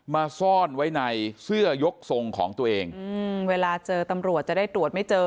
ซ่อนไว้ในเสื้อยกทรงของตัวเองอืมเวลาเจอตำรวจจะได้ตรวจไม่เจอ